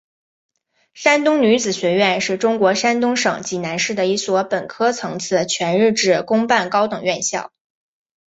山东女子学院是中国山东省济南市的一所本科层次全日制公办高等院校。